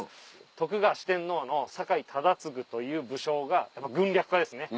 徳川四天王の酒井忠次という武将が軍略家ですね。